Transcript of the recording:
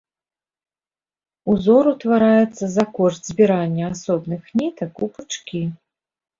Узор утвараецца за кошт збірання асобных нітак у пучкі.